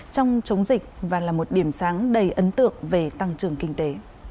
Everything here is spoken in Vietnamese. trong chống dịch và là một điểm sáng đầy ấn tượng về tăng trưởng kinh tế